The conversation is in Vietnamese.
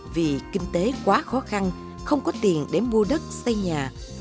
vì kinh tế quá khó khăn không có tiền để mua đất xây nhà